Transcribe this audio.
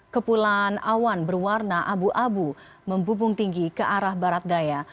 kepulan awan berwarna abu abu membubung tinggi ke arah barat daya